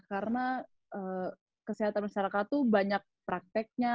karena kesehatan masyarakat tuh banyak prakteknya